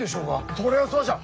それはそうじゃ。